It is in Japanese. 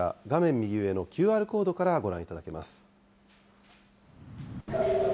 右上のＱＲコードからご覧いただけます。